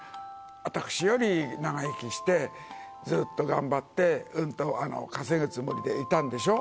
私より長生きして、ずっと頑張って、うんと稼ぐつもりでいたんでしょ。